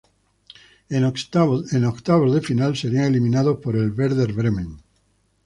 En octavos de final serían eliminados por el Werder Bremen.